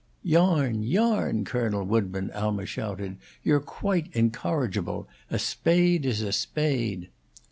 "Yarn, yarn, Colonel Woodburn!" Alma shouted. "You're quite incorrigible. A spade is a spade!"